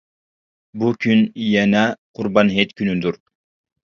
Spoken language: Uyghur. بۇ كۈن يەنە قۇربان ھېيت كۈنىدۇر.